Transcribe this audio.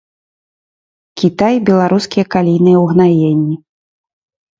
Кітай беларускія калійныя ўгнаенні.